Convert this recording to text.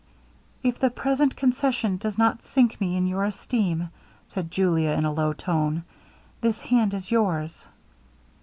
'If the present concession does not sink me in your esteem,' said Julia, in a low tone, 'this hand is yours.'